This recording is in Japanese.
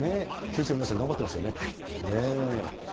選手の皆さん、頑張っていますよね。